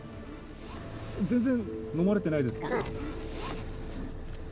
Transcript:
全然、飲まれてないですか？